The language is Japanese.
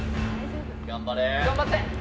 頑張れ。頑張って！